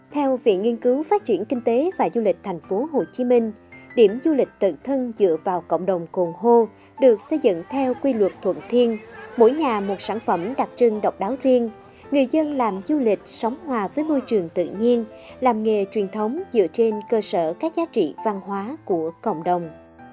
theo viện nghiên cứu phát triển kinh tế và du lịch tp hcm điểm du lịch tận thân dựa vào cộng đồng cồn hô được xây dựng theo quy luật thuận thiên mỗi nhà một sản phẩm đặc trưng độc đáo riêng người dân làm du lịch sống hòa với môi trường tự nhiên làm nghề truyền thống dựa trên cơ sở các giá trị văn hóa của cộng đồng